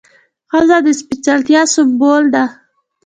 ښځه د سپېڅلتیا سمبول ده.